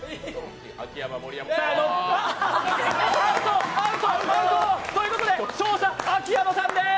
アウト、ということで勝者秋山さんです。